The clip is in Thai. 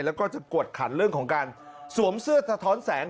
แล้วก็จะกวดขันเรื่องของการสวมเสื้อสะท้อนแสง